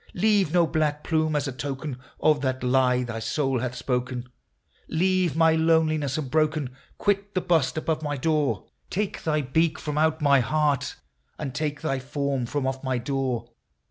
Leave no black plume as a token of that lie thy soul hath spoken ! Leave my loneliness unbroken !— quit the bust above my door ! Take thy beak from out my heart, and take thy form from off my door